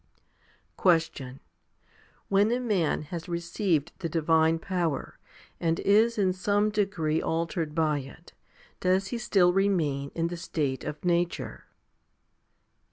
5. Question. When a man has received the divine power, and is in some degree altered by it, does he still remain in the state of nature